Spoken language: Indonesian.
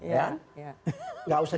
ya gak usah